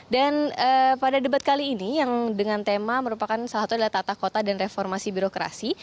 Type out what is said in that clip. dan pada debat kali ini yang dengan tema merupakan salah satu adalah tata kota dan reformasi birokrasi